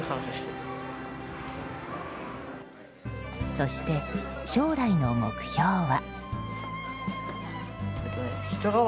そして、将来の目標は。